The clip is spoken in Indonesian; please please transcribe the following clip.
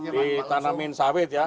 ditanami sawit ya